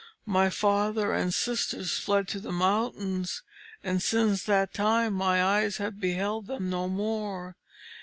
My father and sisters fled to the mountains, and since that time my eyes have beheld them no more.